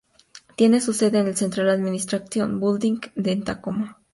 Tiene su sede en el "Central Administration Building" en Tacoma.